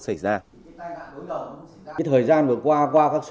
rồi các biển bão khác